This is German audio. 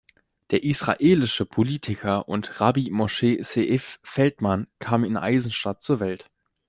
Der israelische Politiker und Rabbi Mosche Se’ev Feldman kam in Eisenstadt zur Welt.